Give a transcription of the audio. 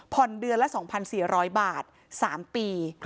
เดือนละ๒๔๐๐บาท๓ปี